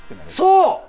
そう！